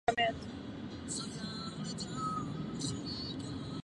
Proto s nimi byla spolupráce ze strany dalších dvou uskupení komplikovaná.